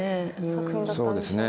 そうですね。